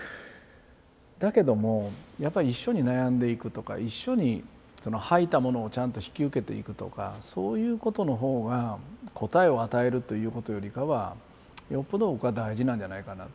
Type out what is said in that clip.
だけどもやっぱり一緒に悩んでいくとか一緒に吐いたものをちゃんと引き受けていくとかそういうことの方が答えを与えるということよりかはよっぽど僕は大事なんじゃないかなと。